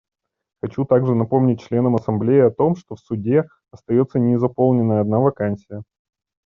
Хочу также напомнить членам Ассамблеи о том, что в Суде остается незаполненной одна вакансия.